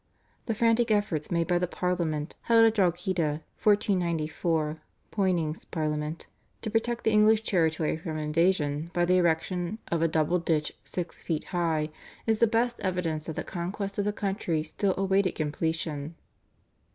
The frantic efforts made by the Parliament held at Drogheda (1494, Poynings' Parliament) to protect the English territory from invasion by the erection "of a double ditch six feet high" is the best evidence that the conquest of the country still awaited completion.